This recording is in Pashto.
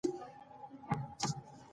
موږ به د تاريخ توري له سره ګورو.